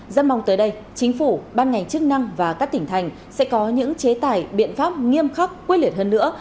dân mong tới đây chính phủ ban ngành chức năng và các tỉnh thành sẽ có những chế tài biện pháp nghiêm khắc quyết liệt hơn nữa